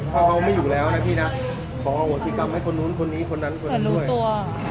ถ้าเขาไม่อยู่แล้วนะพี่นะขออโหสิกรรมให้คนนู้นคนนี้คนนั้นคนนั้นด้วย